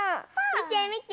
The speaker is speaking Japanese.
みてみて。